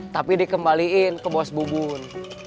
tapi dikembalikan ke bos bubun